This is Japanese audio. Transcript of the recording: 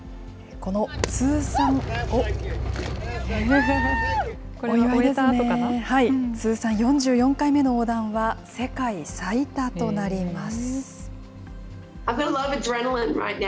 この通算４４回目の横断は、世界最多となります。